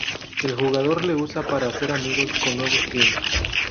El jugador le usa para hacer amigos con nuevos clientes.